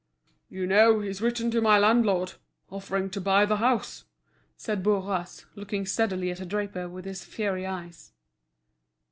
"You know he's written to my landlord, offering to buy the house?" said Bourras, looking steadily at the draper with his fiery eyes.